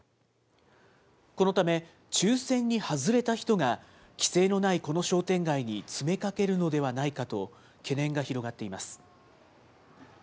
このため、抽せんに外れた人が規制のないこの商店街に詰めかけるのではないかと懸念が広がっています。